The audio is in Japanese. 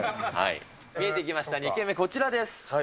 見えてきました、２軒目こちらです。